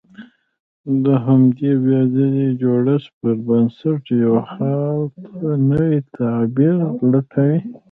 د همدې بيا ځلې جوړښت پر بنسټ يو حالت ته نوی تعبير لټوي.